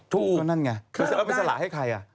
ถูกก็นั่นไงเป็นสละให้ใคร